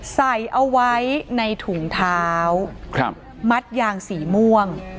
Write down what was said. ใส่เอาไว้ในถุงเท้ามัดยางสีม่วง